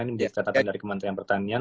ini bisa dicatatkan dari kementerian pertanian